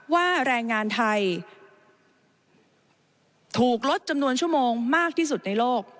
แรงงานไทยถูกลดจำนวนชั่วโมงมากที่สุดในโลก